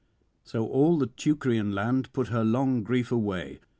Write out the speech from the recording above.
So all the Teucrian land put her long grief away.